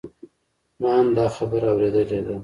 ما هم دا خبره اوریدلې ده